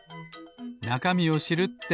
なかみを知るって。